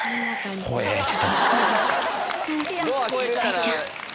雷ちゃん